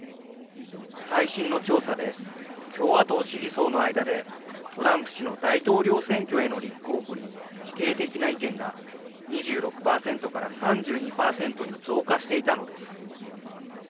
最新の調査で共和党支持層の間でトランプ氏の大統領選挙への立候補に否定的な意見が２６％から３２％に増加していたのです。